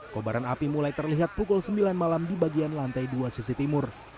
kobaran api mulai terlihat pukul sembilan malam di bagian lantai dua sisi timur